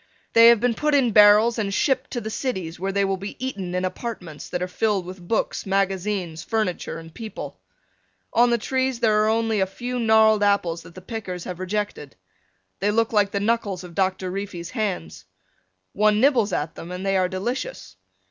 They have been put in barrels and shipped to the cities where they will be eaten in apartments that are filled with books, magazines, furniture, and people. On the trees are only a few gnarled apples that the pickers have rejected. They look like the knuckles of Doctor Reefy's hands. One nibbles at them and they are delicious.